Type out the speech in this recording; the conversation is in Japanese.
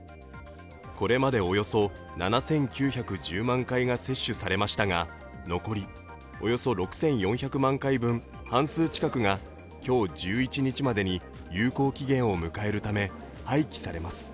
これまでおよそ７９１０万回が接種されましたが残りおよそ６４００万回分、半数近くが今日、１１日までに有効期限を迎えるため廃棄されます。